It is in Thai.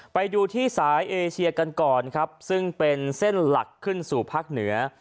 ไปดูที่สายเอเชียกันก่อนครับซึ่งเป็นเส้นหลักขึ้นสู่ภาคเหนือ